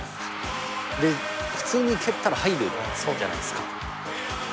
で普通に蹴ったら入るじゃないですか。